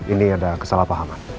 ini ada kesalahpahaman